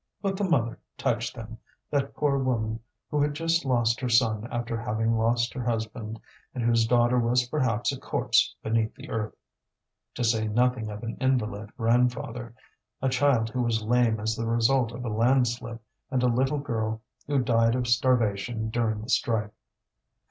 But the mother touched them, that poor woman who had just lost her son after having lost her husband, and whose daughter was perhaps a corpse beneath the earth; to say nothing of an invalid grandfather, a child who was lame as the result of a landslip, and a little girl who died of starvation during the strike.